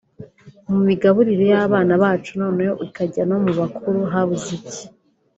mu migaburire y’abana bacu noneho ikajya no mu bakuru habuze iki